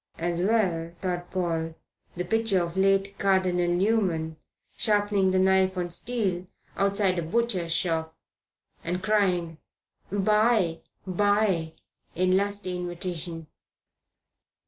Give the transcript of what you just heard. As well, thought Paul, picture the late Cardinal Newman sharpening knife on steel outside a butcher's shop, and crying, "buy, buy," in lusty invitation.